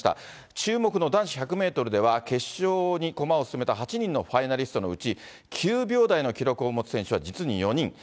注目の男子１００メートルでは、決勝に駒を進めた８人のファイナリストのうち、９秒台の記録を持つ選手が実に４人。